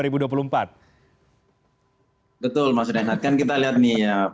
betul mas rian kan kita lihat nih ya pak pak